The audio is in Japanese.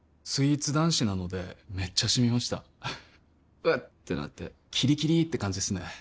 スイーツ男子なのでめっちゃシミました「うっ」ってなってキリキリって感じですね